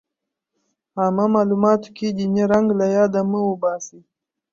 عامه معلوماتو کې ديني رنګ له ياده مه وباسئ.